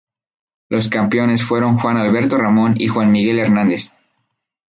Los campeones fueron Juan Alberto Ramón y Juan Miguel Hernández.